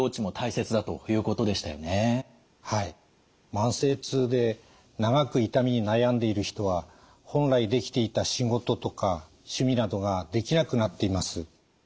慢性痛で長く痛みに悩んでいる人は本来できていた仕事とか趣味などができなくなっています。